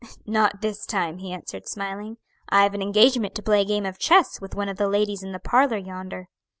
"Not this time," he answered, smiling. "I have an engagement to play a game of chess with one of the ladies in the parlor yonder."